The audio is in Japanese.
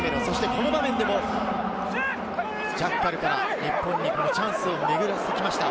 この場面でも姫野はジャッカルから日本にチャンスを巡らせました。